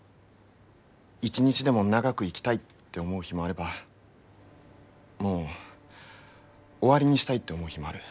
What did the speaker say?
一日でも長く生きたいって思う日もあればもう終わりにしたいって思う日もある。